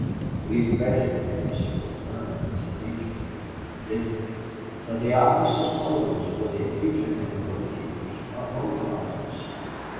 We've credit, at least, for the firm has an agent here a big one; but the office is closed, for the agent and bookkeepers are mobilized.